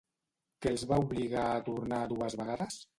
Què els va obligar a tornar dues vegades?